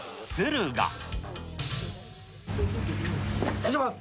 失礼します。